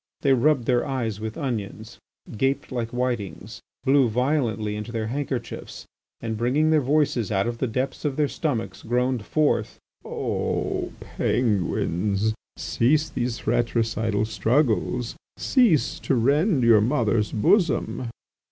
They rubbed their eyes with onions, gaped like whitings, blew violently into their handkerchiefs, and, bringing their voices out of the depths of their stomachs, groaned forth: "O Penguins, cease these fratricidal struggles; cease to rend your mother's bosom!"